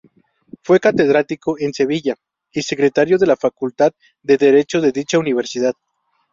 Fue catedrático en Sevilla, y Secretario de la Facultad de Derecho de dicha Universidad.